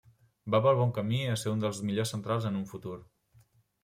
Va pel bon camí a ser un dels millors centrals en un futur.